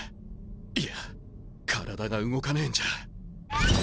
いや体が動かねえんじゃ